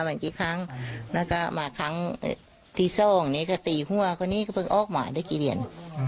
ท่านผู้ชมครับคุณแซล์กนัทวิน